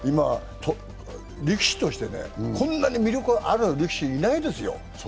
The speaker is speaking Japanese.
力士としてこんなに魅力ある力士、いないですよ。